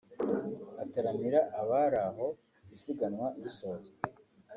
utaramira abari aho isiganwa risorezwa